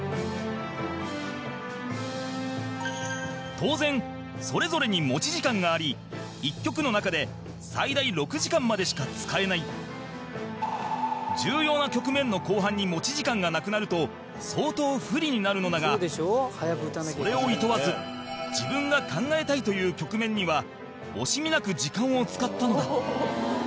当然、それぞれに持ち時間があり１局の中で最大６時間までしか使えない重要な局面の後半に持ち時間がなくなると相当不利になるのだがそれをいとわず自分が考えたいという局面には惜しみなく時間を使ったのだ谷川：